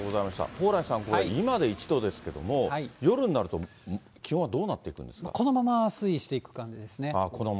蓬莱さん、これ、今で１度ですけれども、夜になると気温はどうなこのまま推移していく感じでこのまま？